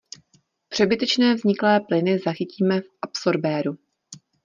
Přebytečné vzniklé plyny zachytíme v absorbéru.